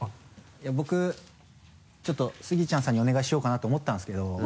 いや僕ちょっとスギちゃんさんにお願いしようかなと思ったんですけど。